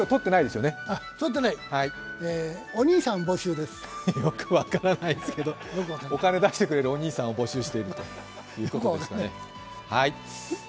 よく分からないですけど、お金出してくれるお兄さんを募集しているということですかね？